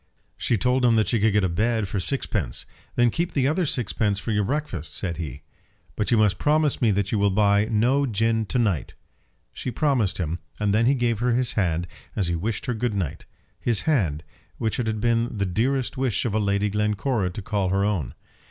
She told him that she could get a bed for sixpence. "Then keep the other sixpence for your breakfast," said he. "But you must promise me that you will buy no gin to night." She promised him, and then he gave her his hand as he wished her good night; his hand, which it had been the dearest wish of Lady Glencora to call her own.